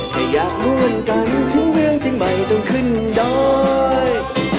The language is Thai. ก็อยากม่วนกันทุกเรื่องที่ไม่ต้องขึ้นดอก